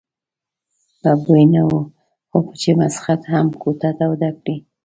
په بوی نه وو خو چې مسخد هم کوټه توده کړي.